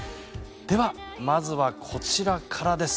では、まずはこちらからです。